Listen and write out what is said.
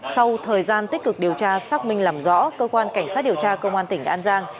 sau thời gian tích cực điều tra xác minh làm rõ cơ quan cảnh sát điều tra công an tỉnh an giang